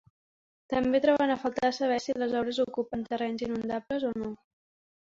També troben a faltar saber si les obres ocupen terrenys inundables o no.